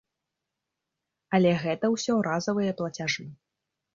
Але гэта ўсё разавыя плацяжы.